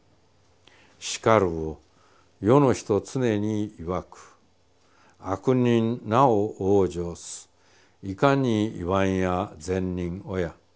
しかるを世の人つねにいわく悪人なお往生すいかにいわんや善人をや。